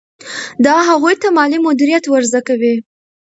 دا هغوی ته مالي مدیریت ور زده کوي.